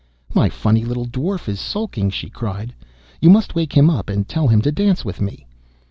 'My funny little dwarf is sulking,' she cried, 'you must wake him up, and tell him to dance for me.